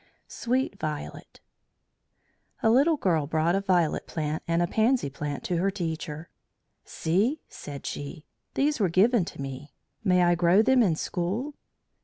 SWEET VIOLET A little girl brought a violet plant and a pansy plant to her teacher. "See!" said she. "These were given to me. May I grow them in school?"